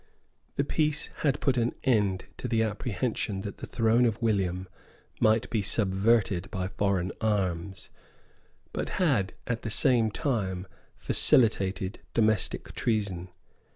The peace had put an end to the apprehension that the throne of William might be subverted by foreign arms, but had, at the same time, facilitated domestic treason.